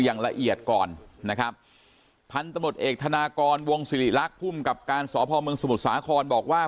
อย่างละเอียดก่อนนะครับพันธุ์ตำรวจเอกธนากรวงศิริรักษ์ภูมิกับการสพเมืองสมุทรสาครบอกว่า